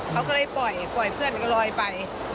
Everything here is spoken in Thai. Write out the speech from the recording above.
เขาก็เลยปล่อยเพื่อนก็ลอยไป